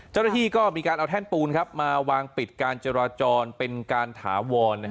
เจ้าหน้าที่ก็มีการเอาแท่นปูนมาวางปิดการจราจรเป็นการถาวร